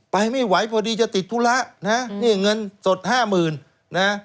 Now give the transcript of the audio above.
ไปไม่ไหวพอดีจะติดธุระนะนี่เงินสดห้าหมื่นนะ